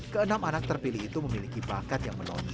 keenam anak terpilih itu memiliki bakat yang sangat tinggi